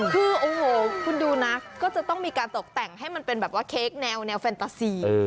คือโอ้โหคุณดูนะก็จะต้องมีการตกแต่งให้มันเป็นแบบว่าเค้กแนวแฟนตาซี